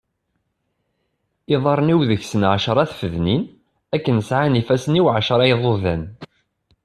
Iḍarren-iw deg-sen εecra tfednin akken sεan ifassen-iw εecra iḍuḍan.